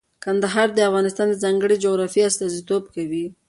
کندهار د افغانستان د ځانګړي جغرافیه استازیتوب کوي.